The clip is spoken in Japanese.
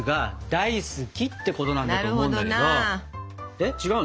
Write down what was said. えっ違うの？